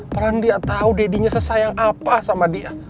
paling dia tahu dadinya sesayang apa sama dia